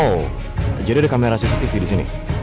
oh jadi ada kamera cctv disini